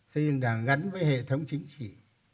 xây dựng đảng gắn với hệ thống chính trị